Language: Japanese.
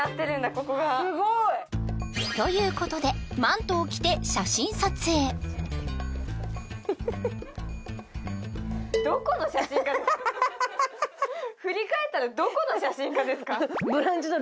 ここがすごいということでマントを着て写真撮影ハハハハハ振り返ったらどこの写真家ですか？